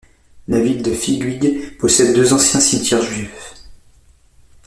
La ville de Figuig possède deux anciens cimetières juifs.